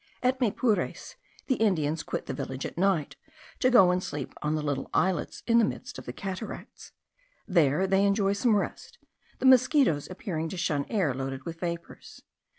At Maypures the Indians quit the village at night, to go and sleep on the little islets in the midst of the cataracts. There they enjoy some rest; the mosquitoes appearing to shun air loaded with vapours.